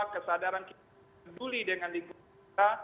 kesadaran kita peduli dengan lingkungan kita